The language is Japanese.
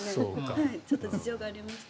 ちょっと事情がありまして。